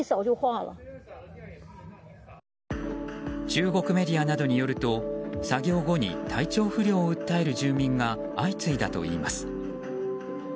中国メディアなどによると作業後に体調不良を訴える住民が相次いだといいます。